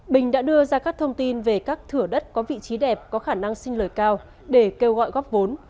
bình đã đưa ra các thông tin về các thửa đất có vị trí đẹp có khả năng sinh lời cao để kêu gọi góp vốn